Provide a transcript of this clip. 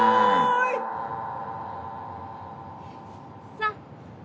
さあ。